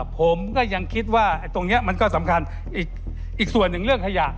ผมก็ยังคิดว่าตรงนี้มันก็สำคัญอีกส่วนหนึ่งเรื่องขยะ